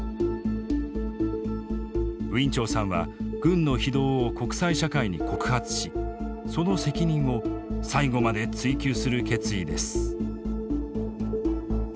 ウィン・チョウさんは軍の非道を国際社会に告発しその責任を最後まで追及する決意です。